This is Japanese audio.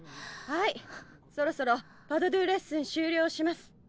はいそろそろパ・ド・ドゥレッスン終了します。